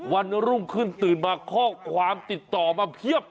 วันรุ่งขึ้นตื่นมาข้อความติดต่อมาเพียบ